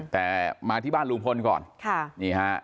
แต่มาที่บ้านลุงพลก่อน